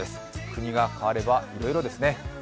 国が変わればいろいろですね。